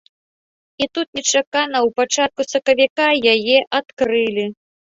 І тут нечакана ў пачатку сакавіка яе адкрылі.